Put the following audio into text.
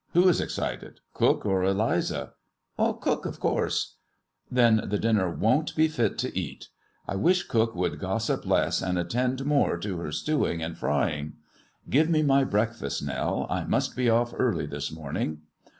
" Who is excited, cook or Eliza 1 "" Ck)ok, of course." "Then the dinner won't be fit to eat. I wish cook would gossip less, and attend more to her stewing and frying. Give me my breakfast, Nell ; I must be off early this morning.